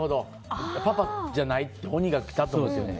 パパじゃない鬼が来たと思うんですね。